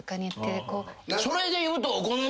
それでいうと。